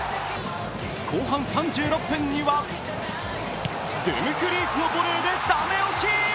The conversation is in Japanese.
後半３６分にはドゥムフリースのボレーでダメ押し。